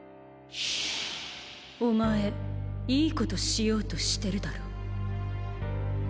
お前「いいこと」しようとしてるだろ？